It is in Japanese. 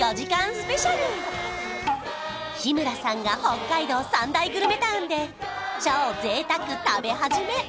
スペシャル日村さんが北海道３大グルメタウンで超ぜいたく食べはじめ！